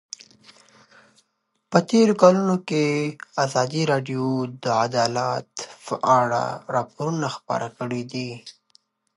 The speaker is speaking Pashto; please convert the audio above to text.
په تېرو کلونو کې ازادي راډیو د عدالت په اړه راپورونه خپاره کړي دي.